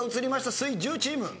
水１０チーム。